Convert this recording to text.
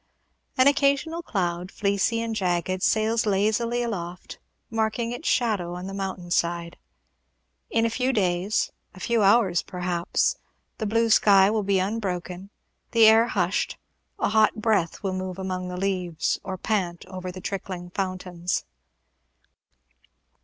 An occasional cloud, fleecy and jagged, sails lazily aloft, marking its shadow on the mountain side. In a few days a few hours, perhaps the blue sky will be unbroken, the air hushed, a hot breath will move among the leaves, or pant over the trickling fountains.